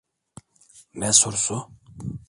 Ne sorusu?